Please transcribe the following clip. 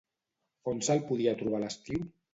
On se'l podia trobar a l'estiu?